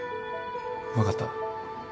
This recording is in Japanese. わかった。